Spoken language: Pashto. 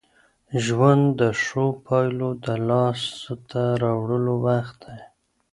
ژوند د ښو پايلو د لاسته راوړلو وخت دی.